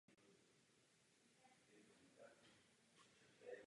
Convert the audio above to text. Kaple byla otevřena do boční lodi dómu vysokým obloukem.